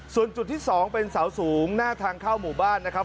ส่วนจุดที่๒เป็นเสาสูงหน้าทางเข้าหมู่บ้านนะครับ